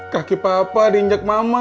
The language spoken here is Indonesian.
kaki papa diinjak mama